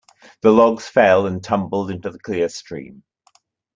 The logs fell and tumbled into the clear stream.